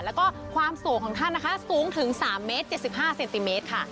แล้วก็ความสูงของท่านนะคะสูงถึง๓เมตร๗๕เซนติเมตรค่ะ